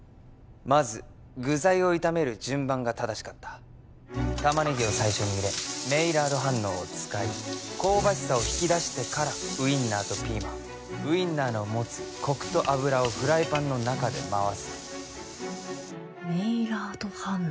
まず具材を炒める順番が正しかったタマネギを最初に入れメイラード反応を使い香ばしさを引き出してからウインナーとピーマンウインナーの持つコクと脂をフライパンの中で回すメイラード反応？